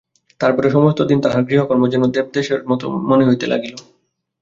তার পরে সমস্ত দিন তাহার গৃহকর্ম যেন দেবসেবার মতো মনে হইতে লাগিল।